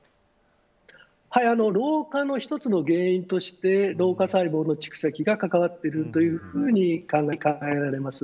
老化の一つの原因として老化細胞の蓄積が関わっているというふうに考えられます。